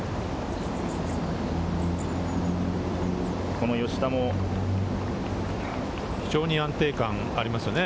この吉田も非常に安定感がありますよね。